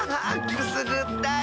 くすぐったい！